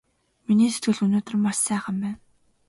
Миний сэтгэл өнөөдөр маш сайхан байна!